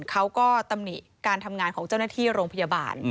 ตำหนิการทำงานของเจ้าหน้าที่โรงพยาบาล